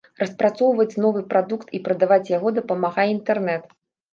Распрацоўваць новы прадукт і прадаваць яго дапамагае інтэрнэт.